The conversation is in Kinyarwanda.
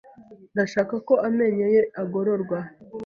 Ndashaka ko amenyo ye agororwa.